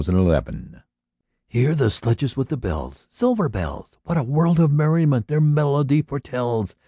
THE BELLS Hear the sledges with the bells Silver bells! What a world of merriment their melody foretells!